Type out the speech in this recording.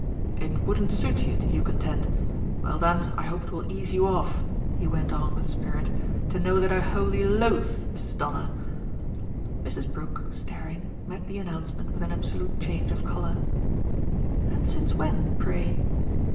"It wouldn't suit you, you contend? Well then, I hope it will ease you off," he went on with spirit, "to know that I wholly LOATHE Mrs. Donner." Mrs. Brook, staring, met the announcement with an absolute change of colour. "And since when, pray?"